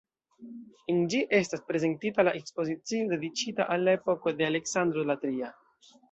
En ĝi estas prezentita la ekspozicio, dediĉita al la epoko de Aleksandro la Tria.